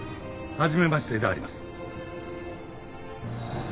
はじめましてであります。